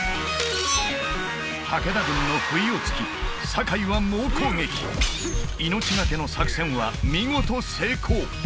武田軍の不意を突き酒井は猛攻撃命懸けの作戦は見事成功